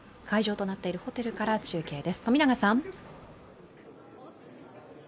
会場となっているホテルから中継です、富永さん。